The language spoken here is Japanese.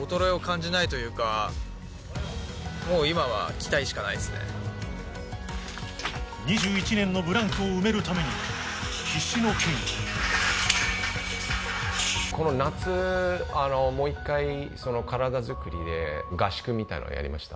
年齢的にはもうね２１年のブランクを埋めるために必死のケインこの夏もう一回体づくりで合宿みたいなのやりました